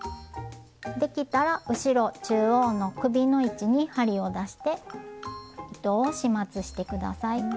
できたら後ろ中央の首の位置に針を出して糸を始末して下さい。